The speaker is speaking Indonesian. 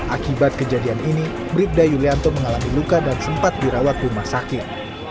akibat kejadian ini bribda yulianto mengalami luka dan sempat dirawat rumah sakit